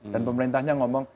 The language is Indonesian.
dan pemerintahnya ngomong